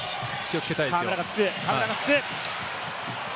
河村がつく。